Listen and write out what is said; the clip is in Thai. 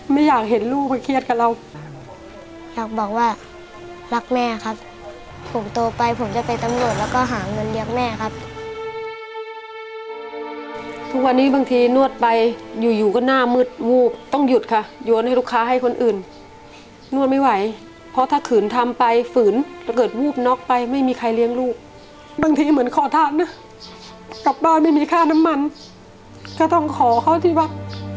ไม่อยากเห็นลูกมาเครียดกับเราอยากบอกว่ารักแม่ครับผมโตไปผมจะไปตำรวจแล้วก็หาเงินเลี้ยงแม่ครับทุกวันนี้บางทีนวดไปอยู่อยู่ก็หน้ามืดวูบต้องหยุดค่ะโยนให้ลูกค้าให้คนอื่นนวดไม่ไหวเพราะถ้าขืนทำไปฝืนถ้าเกิดวูบน็อกไปไม่มีใครเลี้ยงลูกบางทีเหมือนขอทานนะกลับบ้านไม่มีค่าน้ำมันก็ต้องขอเขาที่วัด